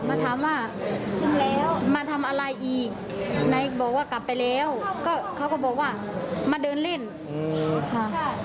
มาถามว่ามาทำอะไรอีกไหนบอกว่ากลับไปแล้วก็เขาก็บอกว่ามาเดินเล่นค่ะ